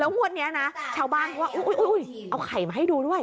แล้ววันนี้นะชาวบ้านเขาก็ว่าโอ้ยเอาไข่มาให้ดูด้วย